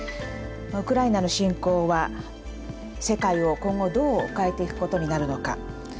ウクライナの侵攻は世界を今後どう変えていくことになるのか。